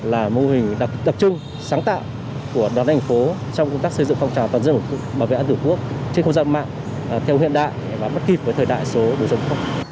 là mô hình đặc trưng sáng tạo của đoàn hành phố trong công tác xây dựng phong trào toàn dân bảo vệ an tử quốc trên không gian mạng theo hiện đại và mất kịp với thời đại số đối dân quốc